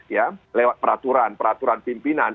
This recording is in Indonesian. ya lewat peraturan peraturan pimpinan